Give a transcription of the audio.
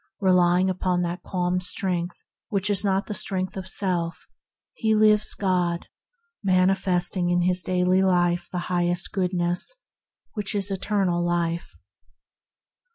Relying upon the calm strength that is not the strength of self, he lives God, manifesting in his daily life the Highest Goodness, which is Eternal Life.